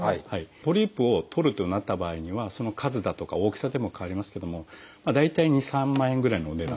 ポリープを取るとなった場合にはその数だとか大きさでも変わりますけども大体２３万円ぐらいのお値段だということですね。